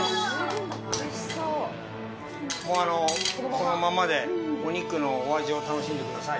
このままでお肉のお味を楽しんでください。